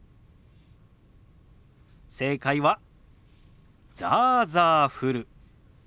正解は「ザーザー降る」。